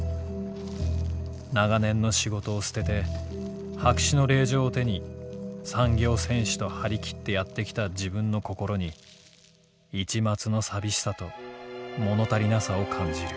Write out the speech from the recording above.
長年の仕事をすてて白紙の令状を手に産業戦士と張切ってやって来た自分の心に一抹の淋しさと物足りなさを感じる」。